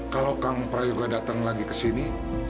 kalau kang prayuga datang lagi ke sini